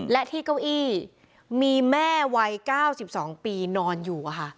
และที่เก้าอี้มีแม่วัย๙๒ปีนอนอยู่